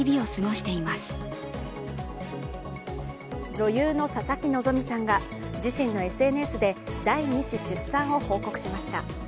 女優の佐々木希さんが自身のＳＮＳで第２子出産を報告しました。